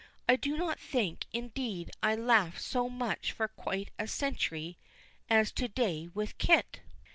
I do not think, indeed, I laughed so much for quite a century as to day with Kit."